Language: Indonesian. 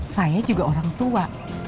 saya juga orang tua